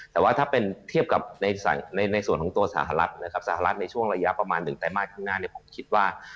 แต่ถ้าเป็นเทียบเที่ยวตัวสหรัฐในละยา๑แต่ม้าขึ้นค่อนหน้า